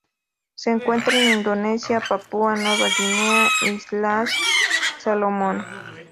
Se encuentra en Indonesia, Papúa Nueva Guinea Islas Salomón.